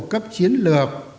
cấp chiến lược